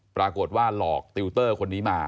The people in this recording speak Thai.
ปรากฏว่าหลอกติวเตอร์คนนี้มา